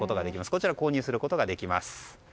こちら、購入することができます。